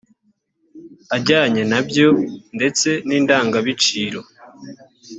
ajyanye na byo ndetse n indangabiciro